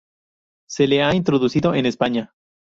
Se le ha introducido en España.